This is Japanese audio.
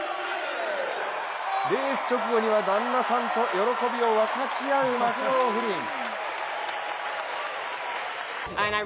レース直後には旦那さんと喜びを分かち合う、マクローフリン。